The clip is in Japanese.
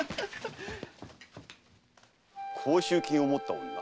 甲州金を持った女？